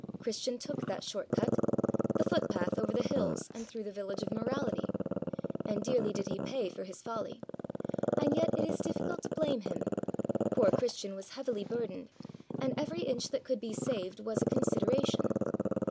Christian took that short cut the footpath over the hills and through the village of Morality and dearly did he pay for his folly. And yet it is difficult to blame him. Poor Christian was heavily burdened, and every inch that could be saved was a consideration.